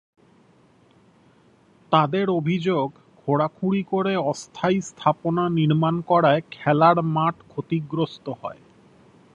তাঁদের অভিযোগ, খোঁড়াখুঁড়ি করে অস্থায়ী স্থাপনা নির্মাণ করায় খেলার মাঠ ক্ষতিগ্রস্ত হয়।